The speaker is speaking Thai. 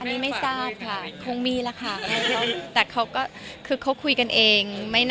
อันนี้ไม่ทราบค่ะคงมีแล้วค่ะแต่เขาก็คือเขาคุยกันเอง